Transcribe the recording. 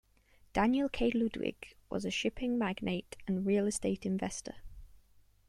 Daniel K. Ludwig was a shipping magnate and real estate investor.